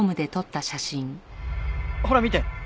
ほら見て！